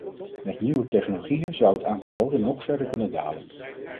Met nieuwe technologieën zou het aantal doden nog verder kunnen dalen.